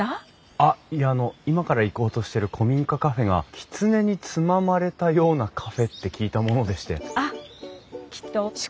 あっいやあの今から行こうとしてる古民家カフェがきつねにつままれたようなカフェって聞いたものでして。